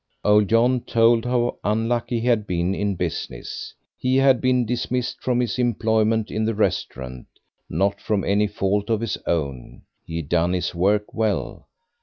Old John told how unlucky he had been in business. He had been dismissed from his employment in the restaurant, not from any fault of his own, he had done his work well.